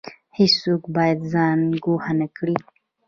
هیڅوک باید ځان ګوښه نکړي